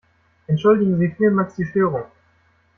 Entschuldigen Sie vielmals die Störung.